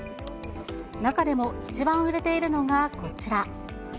中でも、一番売れているのがこちら。